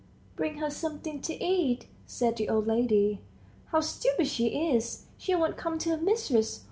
"Bring her something to eat," said the old lady. "How stupid she is! she won't come to her mistress.